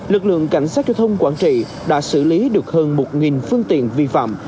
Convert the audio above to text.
lực lượng cảnh sát giao thông quảng trị đã xử lý được hơn một phương tiện vi phạm